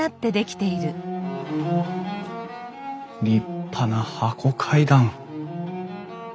立派な箱階段！